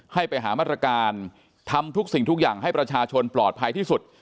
ให้ไปหามาตรการทำทุกสิ่งทุกอย่างให้ประชาชนปลอดภัยที่สุด